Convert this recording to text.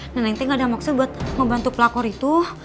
nenek gak ada maksud buat membantu pelakor itu